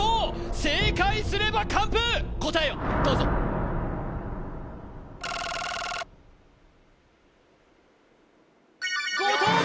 正解すれば完封答えをどうぞ後藤弘